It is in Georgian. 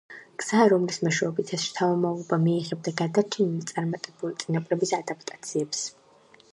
გზა, რომლის მეშვეობითაც შთამომავლობა მიიღებდა გადარჩენილი, წარმატებული წინაპრების ადაპტაციებს.